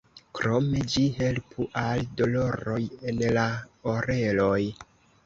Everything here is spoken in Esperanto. Krome ĝi helpu al doloroj en la oreloj.